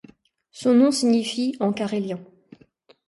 Son nom signifie en carélien.